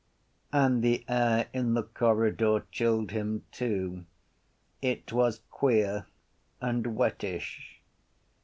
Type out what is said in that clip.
And the air in the corridor chilled him too. It was queer and wettish.